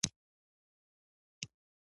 د مرګوني طوفان په انتظار کې شیبې شمیرلې.